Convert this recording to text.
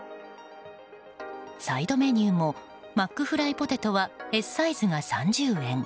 サイドメニューもマックフライポテトはＳサイズが３０円